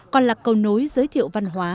còn là câu nối giới thiệu văn hóa